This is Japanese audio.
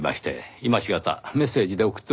今し方メッセージで送っておきました。